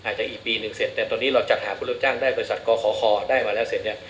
อีกปีหนึ่งเสร็จแต่ตอนนี้เราจัดหาผู้รับจ้างได้บริษัทกขอคอได้มาแล้วเสร็จเนี่ย